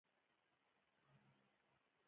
ایا ستاسو زیاتوالی به کنټرول شي؟